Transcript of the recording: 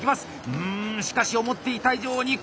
うんしかし思っていた以上に細かい世界。